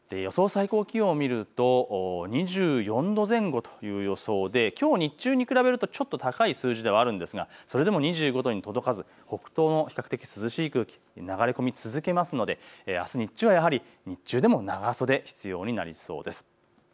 最高気温を見ると２４度前後という予想できょう日中に比べるとちょっと高い数字ではあるんですが、それでも２５度に届かず北東の比較的、涼しい風が流れ込み続けますのであすはやはり日中でも長袖が必要になりそうです。